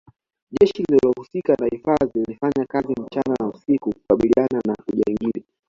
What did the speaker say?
jeshi linalohusika na hifadhi linafanya kazi mchana na usiku kukabililiana na ujangili